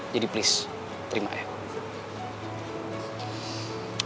jadi please terima ya